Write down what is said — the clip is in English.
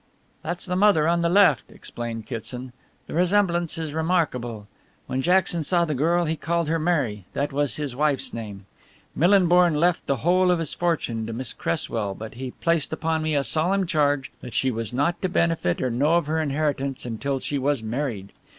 "That's the mother on the left," explained Kitson, "the resemblance is remarkable. When Jackson saw the girl he called her Mary that was his wife's name. Millinborn left the whole of his fortune to Miss Cresswell, but he placed upon me a solemn charge that she was not to benefit or to know of her inheritance until she was married.